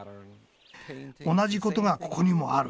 同じことがここにもある。